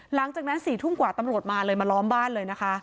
หลังจากนั้น๔ทุ่มกว่าตำรวจมาเลยมาล้อมบ้านเลยนะคะ